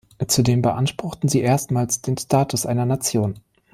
Zudem beanspruchten sie erstmals den Status einer Nation.